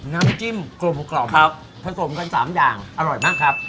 น้ำจิ้มกลมกล่อมครับผสมกัน๓อย่างอร่อยมากครับ